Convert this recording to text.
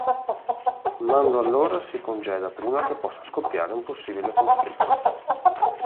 Mando allora si congeda prima che possa scoppiare un possibile conflitto.